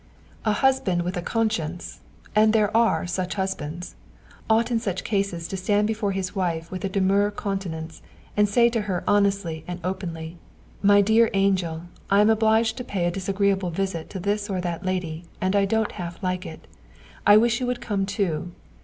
A husband with a conscience (and there are such husbands) ought in such cases to stand before his wife with a demure countenance, and say to her honestly and openly: "My dear angel, I am obliged to pay a disagreeable visit to this or that lady, and I don't half like it; I wish you would come too."